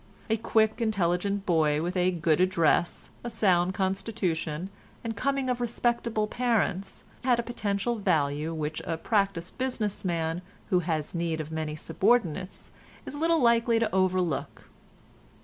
A quick, intelligent boy with a good address, a sound constitution, and coming of respectable parents, has a potential value which a practised business man who has need of many subordinates is little likely to overlook.